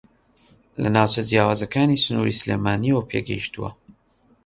لە ناوچە جیاوازەکانی سنووری سلێمانییەوە پێگەیشتووە